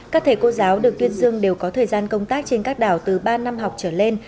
các thầy cô giáo được tuyên dương đều có thời gian công tác trên các đảo từ ba năm học trở lên